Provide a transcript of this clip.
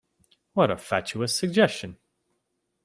What a fatuous suggestion!